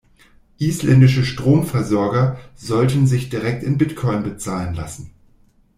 Isländische Stromversorger sollten sich direkt in Bitcoin bezahlen lassen.